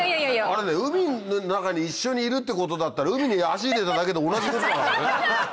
あれね海の中に一緒にいるってことだったら海に足入れただけで同じことだからね。